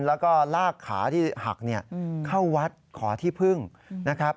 แล้วก็ลากขาที่หักเข้าวัดขอที่พึ่งนะครับ